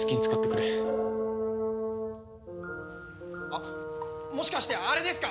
あっもしかしてあれですか？